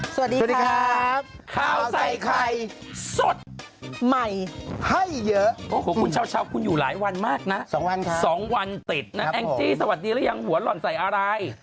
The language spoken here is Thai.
สวัสดีครับข้าวใส่ไข่สดใหม่ให้เยอะโอ้โหคุณเช้าคุณอยู่หลายวันมากนะ๒วันติดนะแองจี้สวัสดีหรือยังหัวหล่อนใส่อะไร